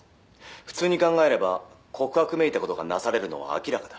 「普通に考えれば告白めいたことがなされるのは明らかだ」